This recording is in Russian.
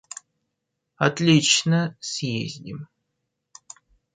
Отлично съездим.